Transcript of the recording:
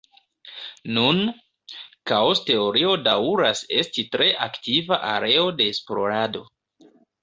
Nun, kaos-teorio daŭras esti tre aktiva areo de esplorado.